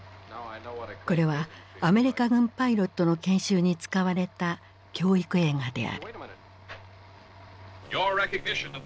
これはアメリカ軍パイロットの研修に使われた教育映画である。